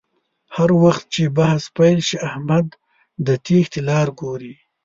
هر وخت چې بحث پیل شي احمد د تېښتې لاره گوري